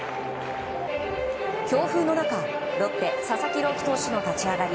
強風の中、ロッテ佐々木朗希投手の立ち上がり。